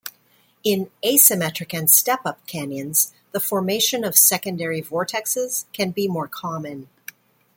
In asymmetric and step-up canyons the formation of secondary vortexes can be more common.